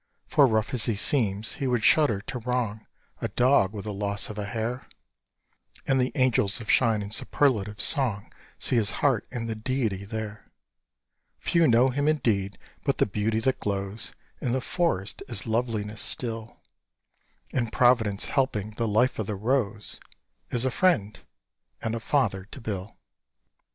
For, rough as he seems, he would shudder to wrong A dog with the loss of a hair; And the angels of shine and superlative song See his heart and the deity there. Few know him, indeed; but the beauty that glows In the forest is loveliness still; And Providence helping the life of the rose Is a Friend and a Father to Bill.